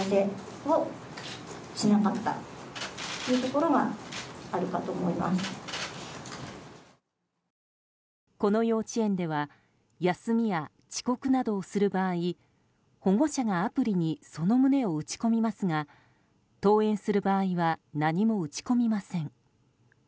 この幼稚園では休みや遅刻などをする場合保護者がアプリにその旨を打ち込みますが登園する場合は何も打ち込みません。